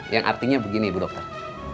yang artinya begini ibu dokter